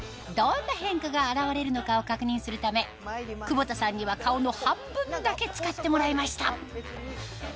どんな変化が現れるのかを確認するため久保田さんには顔の半分だけ使ってもらいました